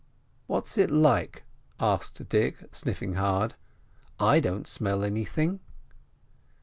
"What's it like?" asked Dick, sniffing hard. "I don't smell anything."